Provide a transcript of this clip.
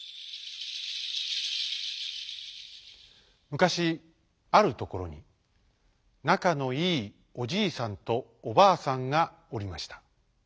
むかしあるところになかのいいおじいさんとおばあさんがおりました。